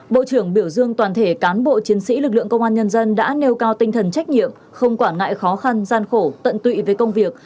bộ trưởng biểu dương toàn thể cán bộ chiến sĩ lực lượng công an nhân dân đã nêu cao tinh thần trách nhiệm không quản ngại khó khăn gian khổ tận tụy với công việc